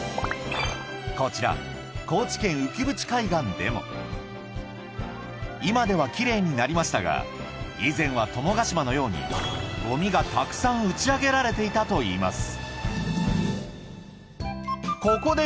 こちら高知県・浮鞭海岸でも今ではきれいになりましたが以前は友ヶ島のようにゴミがたくさん打ち上げられていたといいます